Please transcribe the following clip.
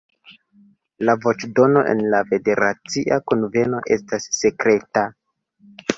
La voĉdono en la Federacia Kunveno estas sekreta.